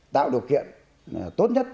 tạo điều kiện tốt nhất